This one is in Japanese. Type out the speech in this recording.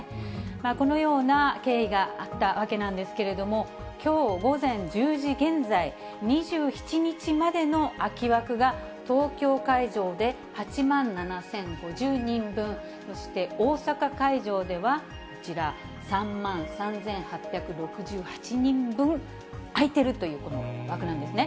このような経緯があったわけなんですけれども、きょう午前１０時現在、２７日までの空き枠が、東京会場で８万７０５０人分、そして大阪会場ではこちら、３万３８６８人分空いてるというこの枠なんですね。